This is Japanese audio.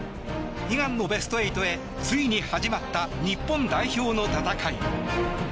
悲願のベスト８へついに始まった日本代表の戦い。